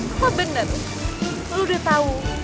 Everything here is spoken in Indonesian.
apa bener lo udah tau soal nyokap gue dan laki laki ini